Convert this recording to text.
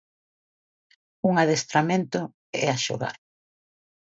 Un adestramento e a xogar.